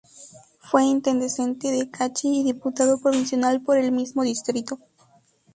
Fue intendente de Cachi, y diputado provincial por el mismo distrito.